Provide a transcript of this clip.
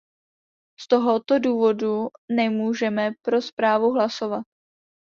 Z tohoto důvodu nemůžeme pro zprávu hlasovat.